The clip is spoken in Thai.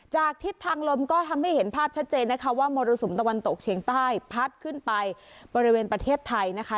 ทิศทางลมก็ทำให้เห็นภาพชัดเจนนะคะว่ามรสุมตะวันตกเฉียงใต้พัดขึ้นไปบริเวณประเทศไทยนะคะ